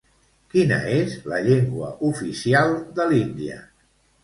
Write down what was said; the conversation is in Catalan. Quina és la llengua oficial de l'Índia?